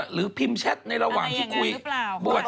หรือพิมพ์แชทในระหว่างที่คุยบวช